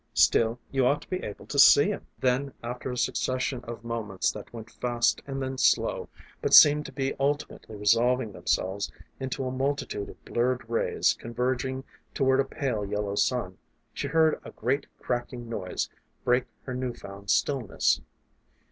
Still, you ought to be able to see 'em. Then after a succession of moments that went fast and then slow, but seemed to be ultimately resolving themselves into a multitude of blurred rays converging toward a pale yellow sun, she heard a great cracking noise break her new found stillness.